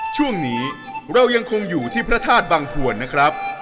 ช่วงนี้เรายังคงอยู่ที่พระธาตุบังพวนนะครับ